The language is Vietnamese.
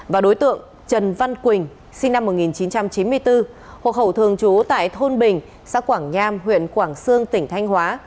và đối tượng trần văn quỳnh sinh năm một nghìn chín trăm chín mươi bốn hộ khẩu thường trú tại thôn bình xã quảng nham huyện quảng sương tỉnh thanh hóa